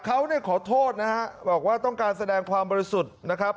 เขาเนี่ยขอโทษนะฮะบอกว่าต้องการแสดงความบริสุทธิ์นะครับ